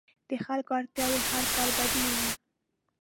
د خلکو اړتیاوې هر کال بدلېږي.